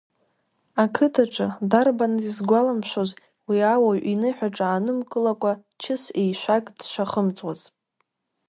Ақыҭаҿы дарбаныз изгәаламшәоз уи ауаҩ иныҳәаҿа аанымкылакәа чыс-еишәак дшахымҵуаз.